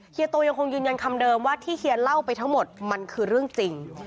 โตยังคงยืนยันคำเดิมว่าที่เฮียเล่าไปทั้งหมดมันคือเรื่องจริง